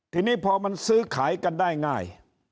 ทีนี้พอมันซื้อขายกันได้ง่าย